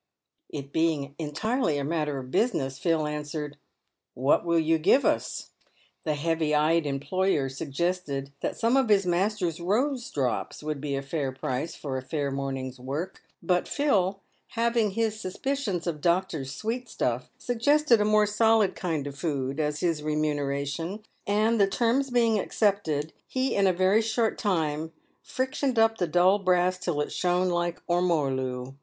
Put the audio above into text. It being entirely a matter of business, Phil answered, "What will you give us?" The heavy eyed employer suggested that some of his master's rose drops would be a fair price for a fair morning's work, but Phil, having his suspicions of doctors' sweetstuff, suggested a more solid kind of food as his remuneration, and, the terms being accepted, he in a very short time frictioned up the dull brass till it shone like ormolu.